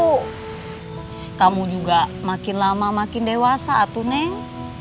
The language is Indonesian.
aduh kamu juga makin lama makin dewasa atu neng